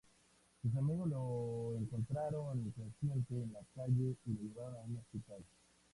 Sus amigos lo encontraron inconsciente en la calle y lo llevaron a un hospital.